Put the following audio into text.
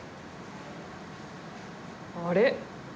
あれ？